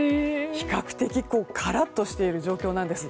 比較的カラッとしている状況なんです。